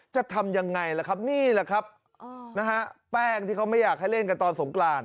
จะทำยังไงล่ะครับนี่แหละครับนะฮะแป้งที่เขาไม่อยากให้เล่นกันตอนสงกราน